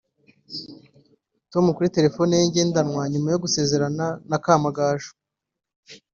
com kuri telephone ye ngendanwa nyuma yo gusezerana na Kamagaju